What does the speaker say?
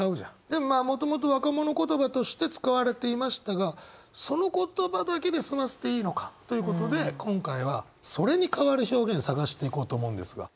でもまあもともと若者言葉として使われていましたがその言葉だけで済ませていいのかということで今回はそれに代わる表現探していこうと思うんですが。